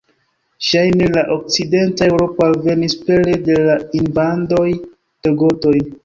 Ŝajne al okcidenta Eŭropo alvenis pere de la invadoj de gotoj.